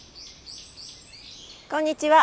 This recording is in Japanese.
こんにちは。